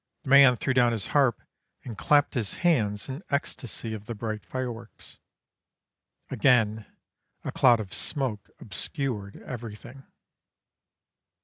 The man threw down his harp and clapped his hands in ecstasy at the bright fireworks. Again a cloud of smoke obscured everything.